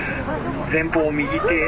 前方右手。